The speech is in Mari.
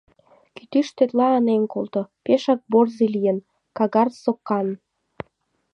Кӱтӱш тетла ынем колто, пешак борзый лийын, кагар-соккан!